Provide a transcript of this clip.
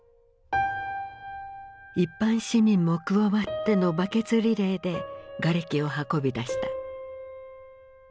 一般市民も加わってのバケツリレーでがれきを運び出した。